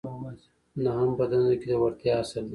نهم په دندو کې د وړتیا اصل دی.